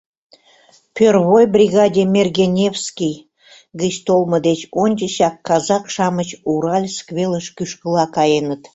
Пӧрвой бригаде Мергеневский гыч толмо деч ончычак казак-шамыч Уральск велыш кӱшкыла каеныт.